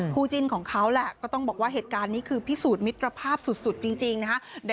จิ้นของเขาแหละก็ต้องบอกว่าเหตุการณ์นี้คือพิสูจน์มิตรภาพสุดจริงนะฮะ